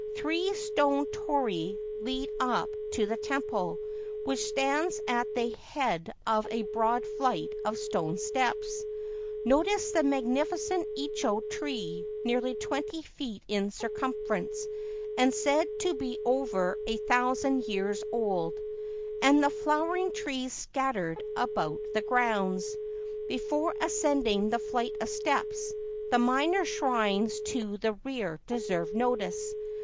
Three stone torii lead up to the temple, which stands at the head of a broad flight of stone steps. Notice the magnificent icho tree, nearly 20 feet in circumference, and said to be over a thousand years old, and the flowering trees scattered about the grounds. Before ascending the flight of steps, the minor shrines to the rear deserve notice.